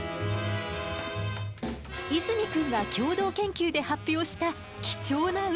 泉くんが共同研究で発表した貴重なウンチがあるの。